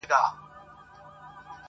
• خلك ستړي جگړه خلاصه كراري سوه -